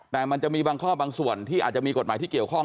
แต่มันจะมีบางข้อบางส่วนที่อาจจะมีกฎหมายที่เกี่ยวข้อง